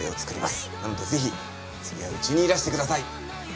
なのでぜひ次はうちにいらしてください！